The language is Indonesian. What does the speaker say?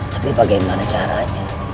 tapi bagaimana caranya